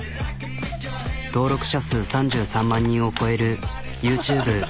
登録者数３３万人を超えるＹｏｕＴｕｂｅ。